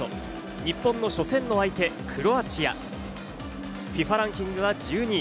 日本の初戦の相手・クロアチア、ＦＩＦＡランキングは１２位。